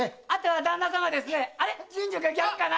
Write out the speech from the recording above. あとは旦那さまですね。